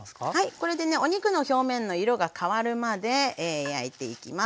これでねお肉の表面の色が変わるまで焼いていきます。